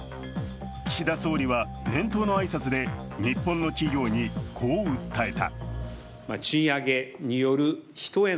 岸田総理は年頭の挨拶で日本の企業にこう訴えた。